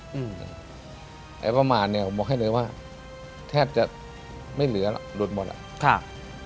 แต่ประมาทผมมองให้เลยว่าแทบจะไม่เหลือลดหมดละ